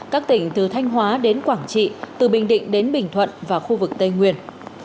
các tỉnh từ thanh hóa đến quảng trị từ bình định đến bình thuận và khu vực tây nguyên